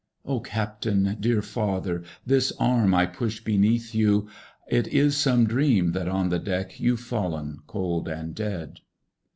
O Captain! dear father! This arm I push beneath you. It is some dream that on the deck You've fallen cold and dead!